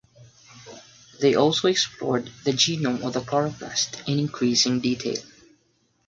They also explored the genome of the chloroplast in increasing detail.